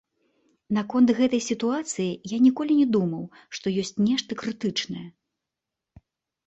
Наконт гэтай сітуацыі я ніколі не думаў, што ёсць нешта крытычнае.